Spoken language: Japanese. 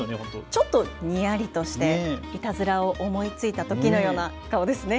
ちょっとにやりとしていたずらを思いついたときのような顔ですね。